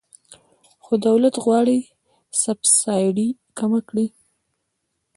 خو دولت غواړي سبسایډي کمه کړي.